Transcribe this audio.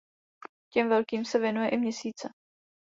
Těm velkým se věnuje i měsíce.